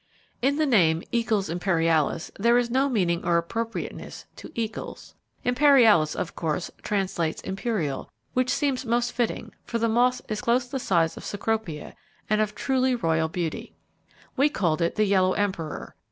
In the name Eacles Imperialis there is no meaning or appropriateness to "Eacles"; "Imperialis" of course, translates imperial which seems most fitting, for the moth is close the size of Cecropia, and of truly royal beauty. We called it the Yellow Emperor.